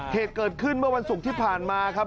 เหตุเกิดขึ้นเมื่อวันศุกร์ที่ผ่านมาครับ